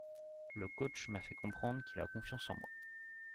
Le coach m’a fait comprendre qu’il a confiance en moi.